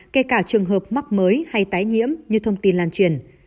kể cả trường hợp mắc mới hay tái nhiễm như thông tin lan truyền